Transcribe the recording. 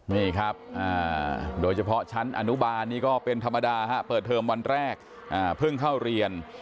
นี่ครับโดยเฉพาะชั้นอนุบาลนี่ก็เป็นธรรมดาฮะเปิดเทอมวันแรกเพิ่งเข้าเรียน